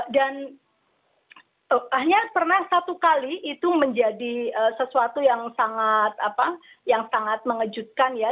dan hanya pernah satu kali itu menjadi sesuatu yang sangat mengejutkan ya